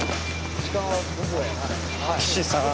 岸さーん。